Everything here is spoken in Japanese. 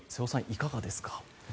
いかがですか？